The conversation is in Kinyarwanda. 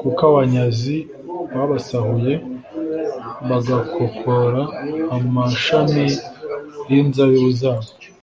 kuko abanyazi babasahuye bagakokora amashami y’inzabibu zabo.